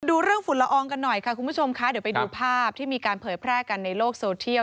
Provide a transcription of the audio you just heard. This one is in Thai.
ดูเรื่องฝุ่นละอองกันหน่อยค่ะคุณผู้ชมคะเดี๋ยวไปดูภาพที่มีการเผยแพร่กันในโลกโซเทียล